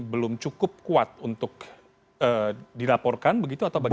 belum cukup kuat untuk dilaporkan begitu atau bagaimana